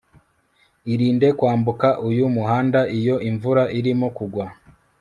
Irinde kwambuka uyu muhanda iyo imvura irimo kugwa